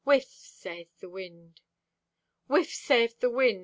Whiff, sayeth the wind. Whiff, sayeth the wind.